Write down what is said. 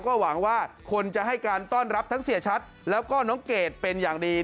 ก็หวังว่าคนจะให้การต้อนรับทั้งเสียชัดแล้วก็น้องเกดเป็นอย่างดี